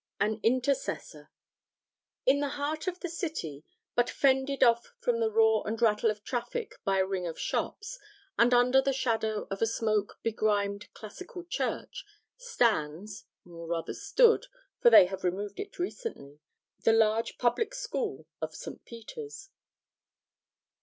AN INTERCESSOR. In the heart of the City, but fended off from the roar and rattle of traffic by a ring of shops, and under the shadow of a smoke begrimed classical church, stands or rather stood, for they have removed it recently the large public school of St. Peter's.